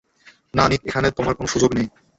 না, নিক, এখানে তোমার কোন সুযোগ নেই।